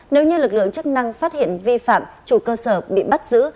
nếu như lực lượng chức năng phát hiện vi phạm chủ cơ sở bị bắt giữ